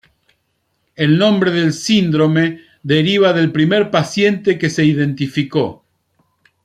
El nombre del síndrome deriva del primer paciente que se identificó.